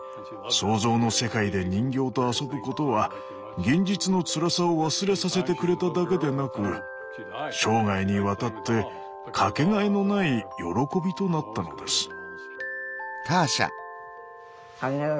想像の世界で人形と遊ぶことは現実のつらさを忘れさせてくれただけでなく生涯にわたって掛けがえのない喜びとなったのです。